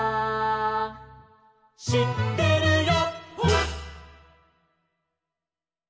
「しってるよ」